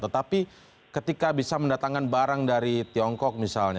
tetapi ketika bisa mendatangkan barang dari tiongkok misalnya